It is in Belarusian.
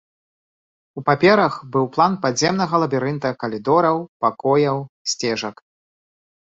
У паперах быў план падземнага лабірынта калідораў, пакояў, сцежак.